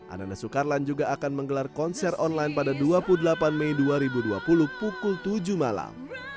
ananda soekarlan juga akan menggelar konser online pada dua puluh delapan mei dua ribu dua puluh pukul tujuh malam